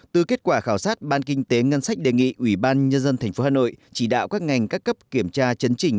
từ kết quả khảo sát ban kinh tế ngân sách đề nghị ủy ban nhân dân tp hà nội chỉ đạo các ngành các cấp kiểm tra chấn chỉnh